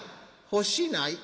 『欲しない』。